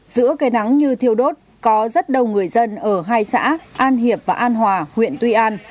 giữa cây nắng như thiêu đốt có rất đông người dân ở hai xã an hiệp và an hòa huyện tuy an